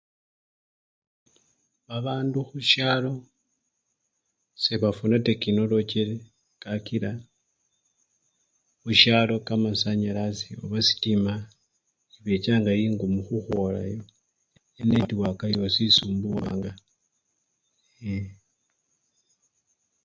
Babandu khusyalo sebafuna tekinologi kakila khusyalo kamasanyalasi oba sitima sibechanga engumu khukhwolayo, enetiwaka yosi isumbuwanga eee!